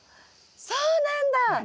そうなんだ！